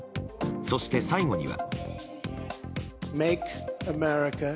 そして、最後には。